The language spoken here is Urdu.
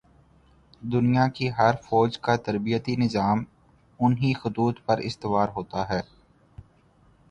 دنیا کی ہر فوج کا تربیتی نظام انہی خطوط پر استوار ہوتا ہے۔